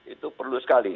itu perlu sekali